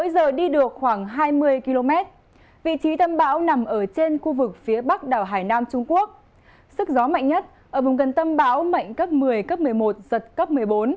sức gió mạnh nhất ở vùng gần tâm bão mạnh cấp một mươi giật cấp một mươi bốn